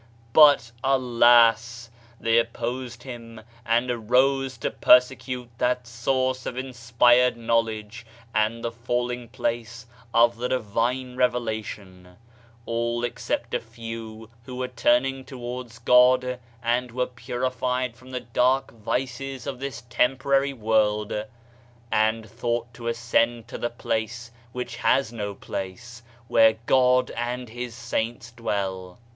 But alas I they op posed him and arose to persecute that source of inspired knowledge and the falling place of the divine revelation; all except a few who were turn ing towards God and were purified from the dark vices of this temporary world and thought to as 92 Digitized by Google OF CIVILIZATION cend to the place which has no place, where God and his saints dwell.